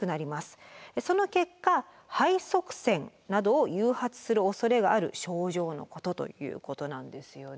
その結果肺塞栓などを誘発するおそれがある症状のことということなんですよね。